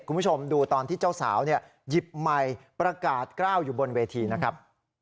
คุณผู้ชมดูตอนที่เจ้าสาวหยิบไมค์ประกาศกล้าวอยู่บนเวทีนะครับ